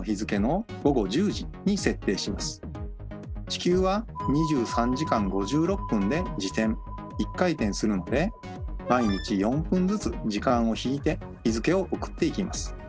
地球は２３時間５６分で自転１回転するので毎日４分ずつ時間を引いて日付を送っていきます。